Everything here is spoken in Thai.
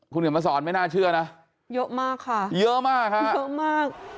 คุณเห็นมาสอนไม่น่าเชื่อนะเยอะมากค่ะเยอะมากค่ะเยอะมาก